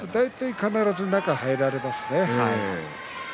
必ず中に入られてしまいますね。